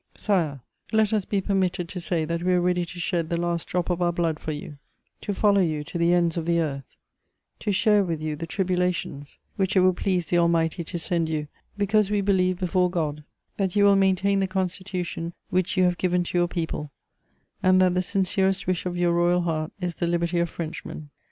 Sire, let us be permitted to say that we are ready to shed the last drop of our blood for you, to follow you to the ends of the earth, to share with you the tribulations which it will please the Almighty to send you, because we believe before God that you will maintain the Constitution which you have given to your people, and that the sincerest wish of your royal heart is the liberty of Frenchmen.